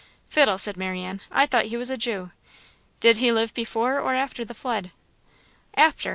"Fiddle!" said Marianne "I thought he was a Jew. Did he live before or after the Flood?" "After.